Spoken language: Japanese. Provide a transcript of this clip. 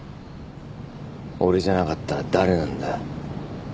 俺じゃなかったら誰なんだよ。